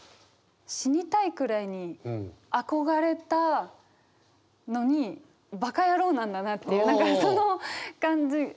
「死にたいくらいに憧れた」のに「バカヤロー」なんだなっていう何かその感じ。